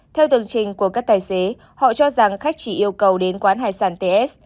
theo tường trình của các tài xế họ cho rằng khách chỉ yêu cầu đến quán hải sản ts